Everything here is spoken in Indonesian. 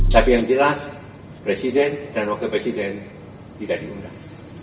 tapi yang jelas presiden dan wakil presiden tidak diundang